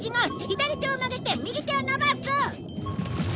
左手を曲げて右手を伸ばす！